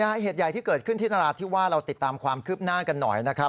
เหตุใหญ่ที่เกิดขึ้นที่นราธิวาสเราติดตามความคืบหน้ากันหน่อยนะครับ